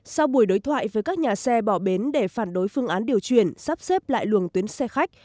sau buổi đối thoại với các nhà xe bỏ bến để phản đối phương án điều chuyển sắp xếp lại luồng tuyến xe khách